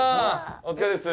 お疲れっす。